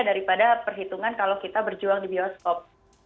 daripada perhitungan kalau kita berjuang di bioskop